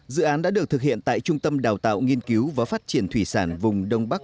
dự án đã được thực hiện tại trung tâm đào tạo nghiên cứu và phát triển thủy sản vùng đông bắc